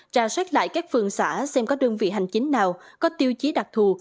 ra soát lại các phường xã xem có đơn vị hành chính nào có tiêu chí đặc thù